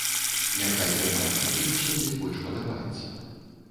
Няхай займаецца тым, што ёй больш падабаецца.